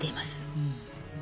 うん。